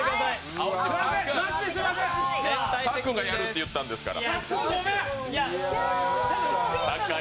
さっくんがやるって言ったんですから。